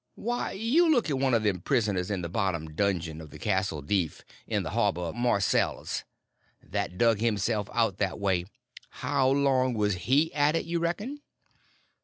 Why, look at one of them prisoners in the bottom dungeon of the Castle Deef, in the harbor of Marseilles, that dug himself out that way; how long was he at it, you reckon?"